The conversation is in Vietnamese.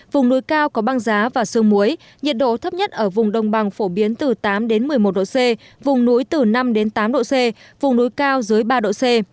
vùng núi cao có băng giá và sương muối nhiệt độ thấp nhất ở vùng đông bằng phổ biến từ tám đến một mươi một độ c vùng núi từ năm tám độ c vùng núi cao dưới ba độ c